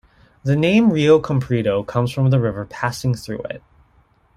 The name Rio Comprido comes from the river passing through it.